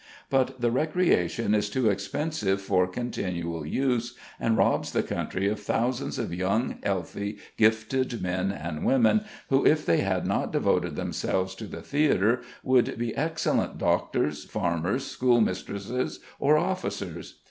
But the recreation is too expensive for continual use, and robs the country of thousands of young, healthy, gifted men and women, who if they had not devoted themselves to the theatre would be excellent doctors, farmers, schoolmistresses, or officers.